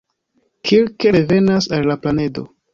Kirk revenas al la planedo.